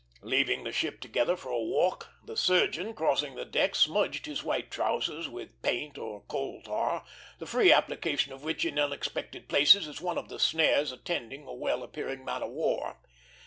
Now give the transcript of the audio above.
Leaving the ship together for a walk, the surgeon, crossing the deck, smudged his white trousers with paint or coal tar, the free application of which in unexpected places is one of the snares attending a well appearing man of war.